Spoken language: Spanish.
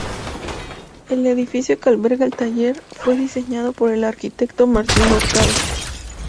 El edificio que alberga el Taller fue diseñado por el arquitecto Martín Hurtado.